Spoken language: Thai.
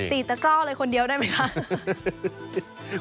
ตีตะกร่อเลยคนเดียวได้ไหมคะ